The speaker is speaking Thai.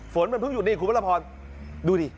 ฝนมันเพิ่งหยุดนี่ขุมพลพรดูดิ